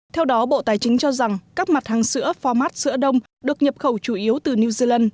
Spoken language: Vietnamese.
theo đó bộ tài chính cho rằng các mặt hàng sữa format sữa đông được nhập khẩu chủ yếu từ new zealand